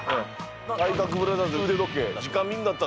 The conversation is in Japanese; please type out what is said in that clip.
体格ブラザーズ腕時計。